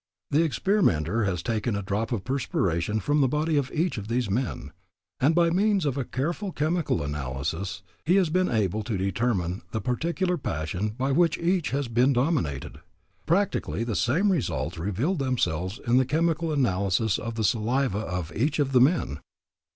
The experimenter has taken a drop of perspiration from the body of each of these men, and by means of a careful chemical analysis he has been able to determine the particular passion by which each has been dominated. Practically the same results revealed themselves in the chemical analysis of the saliva of each of the men.